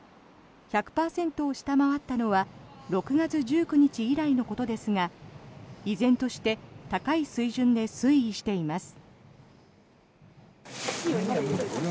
１００％を下回ったのは６月１９日以来のことですが依然として高い水準で推移しています。